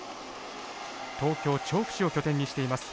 東京・調布市を拠点にしています。